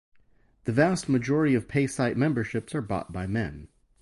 The vast majority of paysite memberships are bought by men.